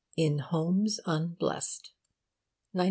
IN HOMES UNBLEST 1919.